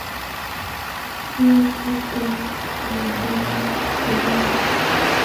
Leo kitwa chanivava dhana